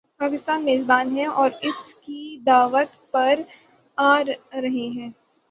پاکستان میزبان ہے اور وہ اس کی دعوت پر آ رہے ہیں۔